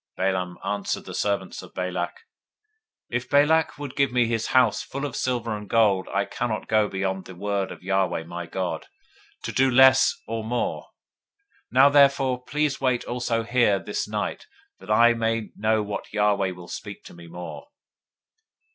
022:018 Balaam answered the servants of Balak, If Balak would give me his house full of silver and gold, I can't go beyond the word of Yahweh my God, to do less or more. 022:019 Now therefore, please wait also here this night, that I may know what Yahweh will speak to me more.